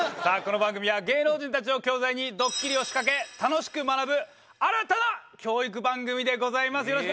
さあこの番組は芸能人たちを教材にドッキリを仕掛け楽しく学ぶ新たな教育番組でございます。